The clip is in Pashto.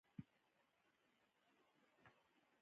هلک له نیکو خلکو خوښي اخلي.